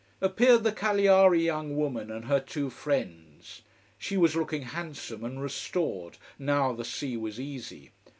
Appeared the Cagliari young woman and her two friends. She was looking handsome and restored now the sea was easy.